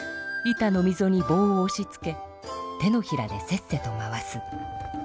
板のみぞにぼうをおしつけ手のひらでせっせと回す。